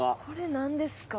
これなんです？